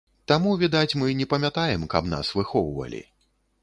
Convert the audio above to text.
Таму, відаць, мы не памятаем, каб нас выхоўвалі.